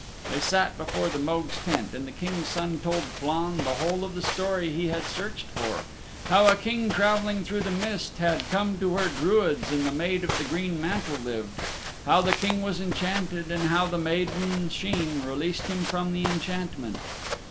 They sat before Mogue's tent, and the King's Son told Flann the whole of the story he had searched for how a King traveling through the mist had come to where Druids and the Maid of the Green Mantle lived, how the King was enchanted, and how the maiden Sheen released him from the enchantment.